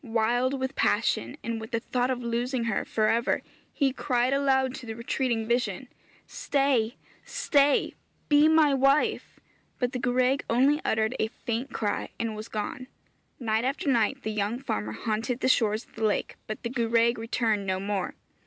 Wild with passion, and with the thought of losing her for ever, he cried aloud to the retreating vision, 'Stay! stay! Be my wife.' But the gwraig only uttered a faint cry, and was gone. Night after night the young farmer haunted the shores of the lake, but the gwraig returned no more.